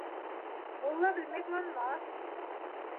Мулла белмәй ҡыланмаҫ.